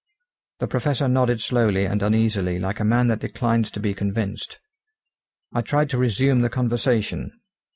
The Professor nodded slowly and uneasily like a man that declines to be convinced. I tried to resume the conversation.